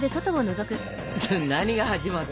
何が始まった？